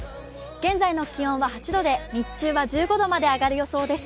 現在の気温は８度で日中は１５度まで上がる予報です。